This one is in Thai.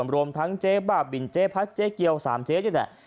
รวมทั้งเจ๊บ้าบินเจ๊พัดเจ๊เกียว๓เจ๊นี่แหละ